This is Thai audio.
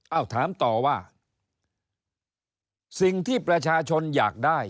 เอาถามต่อว่าสิ่งที่ประชาชนอยากได้